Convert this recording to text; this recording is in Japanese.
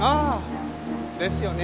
ですよね。